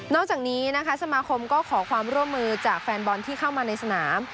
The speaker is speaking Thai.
จากนี้นะคะสมาคมก็ขอความร่วมมือจากแฟนบอลที่เข้ามาในสนาม